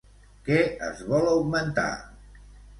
Què es vol augmentar?